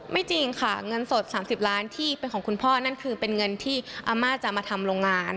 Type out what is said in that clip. จริงค่ะเงินสด๓๐ล้านที่เป็นของคุณพ่อนั่นคือเป็นเงินที่อาม่าจะมาทำโรงงาน